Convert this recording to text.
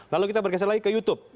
lalu kita bergeser lagi ke youtube